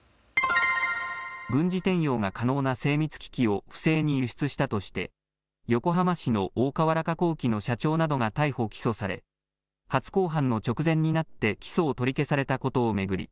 軍事転用が可能な精密機器を不正に輸出したとして横浜市の大川原化工機の社長などが逮捕・起訴され初公判の直前になって起訴を取り消されたことを巡り